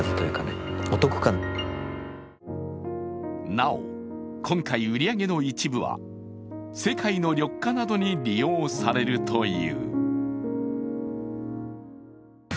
なお今回、売り上げの一部は世界の緑化などに利用されるという。